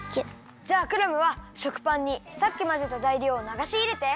じゃあクラムは食パンにさっきまぜたざいりょうをながしいれて。